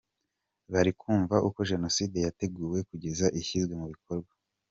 Bari kumva uko Jenoside yateguwe kugeza ishyizwe mu bikorwa.